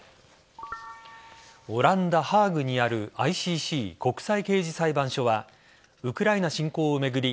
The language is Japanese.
オランダ・ハーグにあるＩＣＣ＝国際刑事裁判所はウクライナ侵攻を巡り